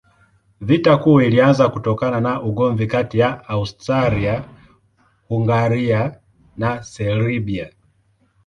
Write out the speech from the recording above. Vita Kuu ilianza kutokana na ugomvi kati ya Austria-Hungaria na Serbia.